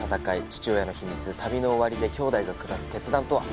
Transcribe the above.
父親の秘密旅の終わりで兄弟が下す決断とは？